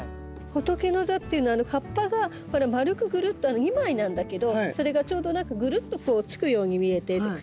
ホトケノザっていうのは葉っぱが丸くグルッと２枚なんだけどそれがちょうどグルッとこうつくように見えて茎に。